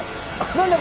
何だ？